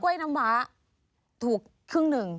น้ำว้าถูกครึ่งหนึ่ง